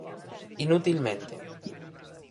Inutilmente.